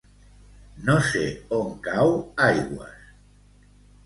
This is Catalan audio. No sé on cau Aigües.